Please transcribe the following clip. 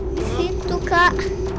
di situ kak